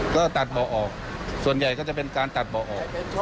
ก็ตัดเบาะออกส่วนใหญ่ก็จะเป็นการตัดเบาะออก